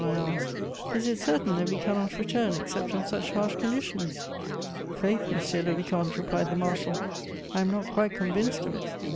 I asked. "Is it certain that we cannot return except on such harsh conditions?" "Faith, monsieur le vicomte," replied the marshal, "I am not quite convinced of it."